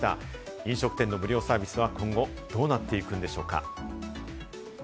飲食店の無料サービスは今後どうなっていくのでしょうか？